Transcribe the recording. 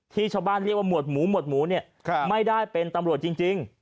ชาวบ้านเรียกว่าหมวดหมูหมวดหมูเนี่ยไม่ได้เป็นตำรวจจริง